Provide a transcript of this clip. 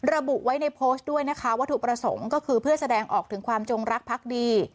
ระบุไว้ในโพสต์ด้วยนะคะวัตถุประสงค์ก็คือเพื่อแสดงออกถึงความจงรักพักดี